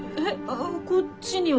あこっちには。